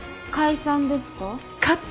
解散ですか？